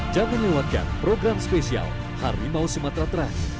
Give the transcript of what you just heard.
jangan lewatkan program spesial harimau sumatera terakhir